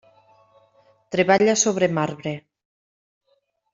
Treballa sobre marbre.